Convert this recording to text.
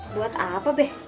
buat apa be